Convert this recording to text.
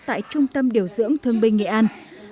tại trung tâm điều dưỡng thương binh nghệ an